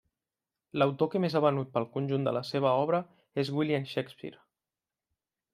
L'autor que més ha venut pel conjunt de la seva obra és William Shakespeare.